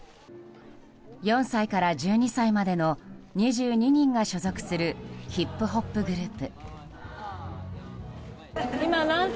４歳から１２歳までの２２人が所属するヒップホップグループ。